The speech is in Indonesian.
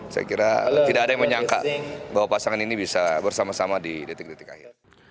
saya kira tidak ada yang menyangka bahwa pasangan ini bisa bersama sama di detik detik akhir